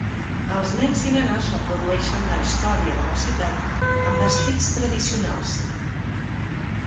Els nens i nenes reprodueixen la història de la ciutat amb vestits tradicionals.